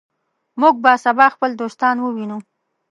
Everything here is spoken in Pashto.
موږ به سبا خپل دوستان ووینو.